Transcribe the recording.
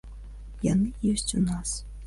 Яны ёсць у нас.